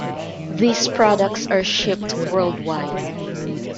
These products are shipped worldwide.